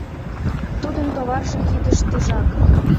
Тудын товарже кидыштыжак.